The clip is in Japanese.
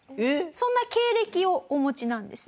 そんな経歴をお持ちなんですね。